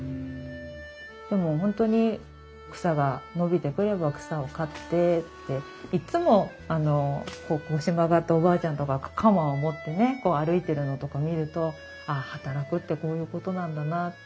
でも本当に草が伸びてくれば草を刈ってっていっつも腰曲がったおばあちゃんとかが鎌を持ってね歩いてるのとか見るとああ働くってこういうことなんだなって。